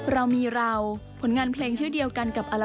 เรามีเราผลงานเพลงชื่อเดียวกันกับอัลบั้มของเรา